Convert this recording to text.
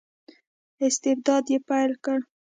استبداد یې پیل کړ.